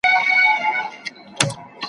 تللی به قاصد وي یو پیغام به یې لیکلی وي ,